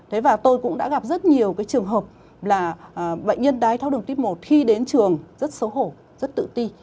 thế và tôi cũng đã gặp rất nhiều cái trường hợp là bệnh nhân đái tháo đường tuyếp một khi đến trường rất xấu hổ rất tự ti